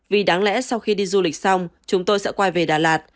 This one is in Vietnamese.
vì đáng lẽ sau khi đi du lịch xong chúng tôi sẽ quay về đà lạt